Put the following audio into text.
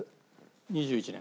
２１年。